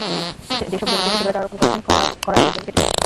যেসব জমিতে কৃষকেরা চারা রোপণ করেছেন খরায় সেই জমি ফেটে যাচ্ছে।